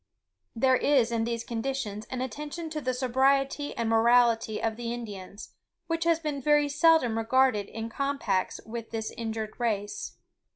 There is in these conditions an attention to the sobriety and morality of the Indians, which has been very seldom regarded in compacts with this injured race.